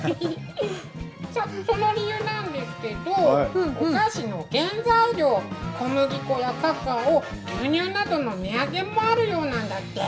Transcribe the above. その理由なんですけどお菓子の原材料、小麦粉やカカオ牛乳などの値上げもあるようなんだって。